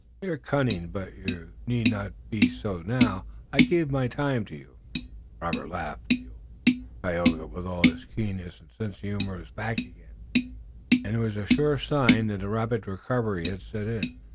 You are cunning, but you need not be so now. I give my time to you." Robert laughed. The old Tayoga with all his keenness and sense of humor was back again, and it was a sure sign that a rapid recovery had set in.